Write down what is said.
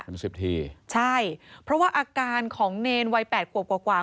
เป็นสิบทีใช่เพราะว่าอาการของเนรวัยแปดขวบกว่ากว่า